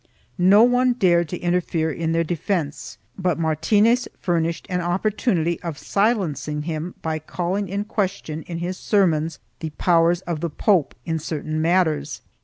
1 No one dared to interfere in their defence, but Martinez furnished an opportunity of silencing him by calling in question in his sermons the powers of the pope in certain matters.